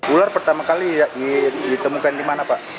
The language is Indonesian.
ular pertama kali ditemukan di mana pak